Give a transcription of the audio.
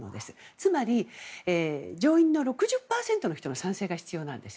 つまり、上院の６０％の人の賛成が必要なんです。